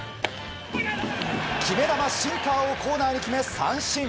決め球のシンカーをコーナーに決め、三振。